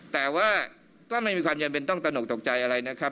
แต่ว่าก็ไม่มีความจำเป็นต้องตนกตกใจอะไรนะครับ